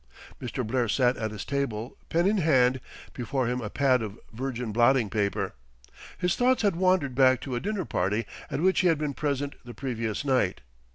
Mr. Blair sat at his table, pen in hand, before him a pad of virgin blotting paper. His thoughts had wandered back to a dinner party at which he had been present the previous night.